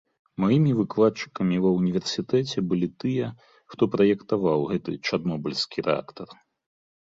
Маімі выкладчыкамі ва ўніверсітэце былі тыя, хто праектаваў гэты чарнобыльскі рэактар.